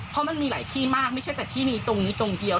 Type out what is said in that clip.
เพราะมันมีหลายที่มากไม่ใช่แต่ที่นี้ตรงนี้ตรงเดียว